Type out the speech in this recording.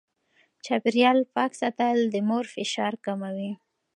چاپېريال پاک ساتل د مور فشار کموي.